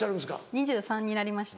２３歳になりました。